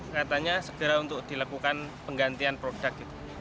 katanya segera untuk dilakukan penggantian produk